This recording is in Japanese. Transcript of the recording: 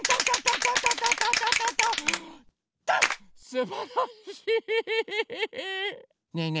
すばらしい！